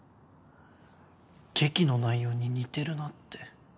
劇の内容に似てるなって